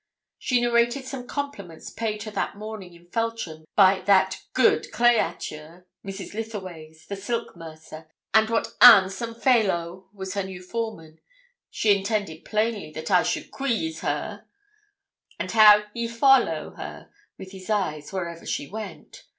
She narrated some compliments paid her that morning in Feltram by that 'good crayature' Mrs. Litheways, the silk mercer, and what ''ansom faylow' was her new foreman (she intended plainly that I should 'queez' her) and how 'he follow' her with his eyes wherever she went.